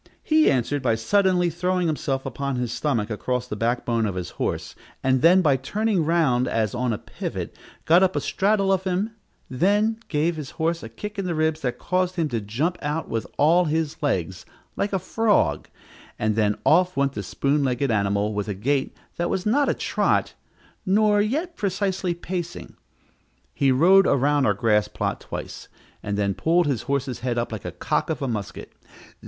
He answered by suddenly throwing himself upon his stomach across the backbone of his horse, and then, by turning round as on a pivot, got up a straddle of him; then he gave his horse a kick in the ribs that caused him to jump out with all his legs, like a frog, and then off went the spoon legged animal with a gait that was not a trot, nor yet precisely pacing. He rode around our grass plot twice, and then pulled his horse's head up like the cock of a musket.